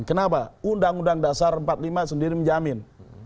kenapa undang undang dasar empat puluh lima sendiri menjamin